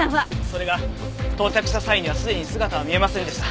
それが到着した際にはすでに姿は見えませんでした。